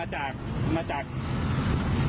ก็ถูกไปต่อได้